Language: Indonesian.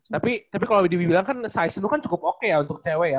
tapi kalo dibibilang kan size lu kan cukup oke ya untuk cewe ya